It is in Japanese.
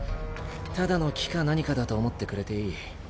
ただの木か何かだと思ってくれていい。